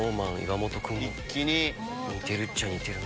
似てるっちゃ似てる。